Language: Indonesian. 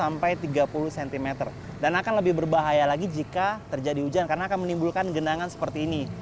sampai tiga puluh cm dan akan lebih berbahaya lagi jika terjadi hujan karena akan menimbulkan genangan seperti ini